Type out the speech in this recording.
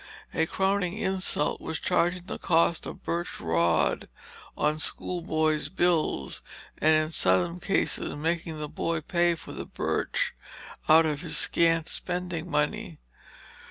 A crowning insult was charging the cost of birch rod on schoolboys' bills; and in some cases making the boy pay for the birch out of his scant spending money.